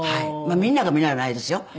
みんながみんなではないですよ。